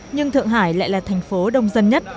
nhưng thượng hải lại là thành phố đông dân nhất